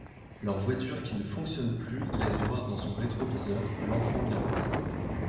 Leur voiture qui ne fonctionne plus laisse voir dans son rétroviseur l'enfant-miroir.